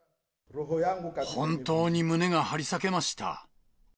本当に胸が張り裂けました。